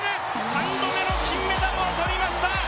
３度目の金メダルを取りました。